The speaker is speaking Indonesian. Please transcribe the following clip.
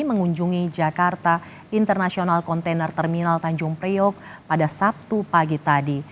mengunjungi jakarta international container terminal tanjung priok pada sabtu pagi tadi